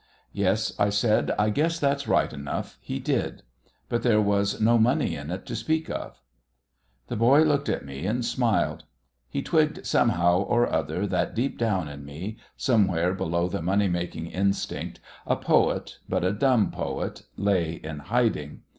"Yes," I said, "I guess that's right enough. He did. But there was no money in it to speak of." The boy looked at me and smiled. He twigged somehow or other that deep down in me, somewhere below the money making instinct, a poet, but a dumb poet, lay in hiding.